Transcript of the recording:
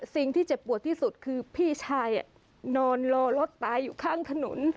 เจ็บปวดที่สุดคือพี่ชายนอนรอรถตายอยู่ข้างถนน